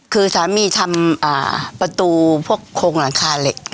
คือสามีทำประตูพวกโครงหลังคาเหล็ก